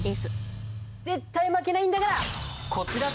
絶対負けないんだから！